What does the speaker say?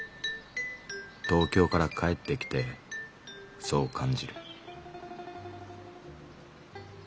東京から帰ってきてそう感じる」。